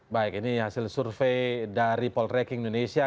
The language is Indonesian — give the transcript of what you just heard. baik ini hasil survei dari poltreking indonesia